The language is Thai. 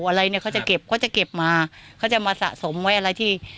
อะไรเนี่ยเขาจะเก็บเขาจะเก็บมาเขาจะมาสะสมไว้อะไรที่